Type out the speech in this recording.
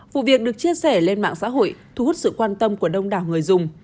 vụ việc được chia sẻ lên mạng xã hội thu hút sự quan tâm của đông đảo người dùng